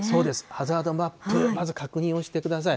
ハザードマップ、まず確認をしてください。